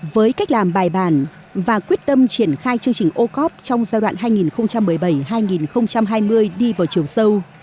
với cách làm bài bàn và quyết tâm triển khai chương trình ocov trong giai đoạn hai nghìn một mươi bảy hai nghìn hai mươi đi vào chiều sâu